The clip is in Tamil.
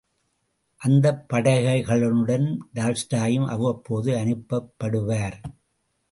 அந்தப் படைகளுடன் டால்ஸ்டாயும் அவ்வப்போது அனுப்பப்படுவார்.